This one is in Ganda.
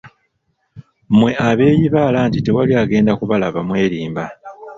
Mmwe abeeyibaala nti tewali agenda kubalaba mwerimba!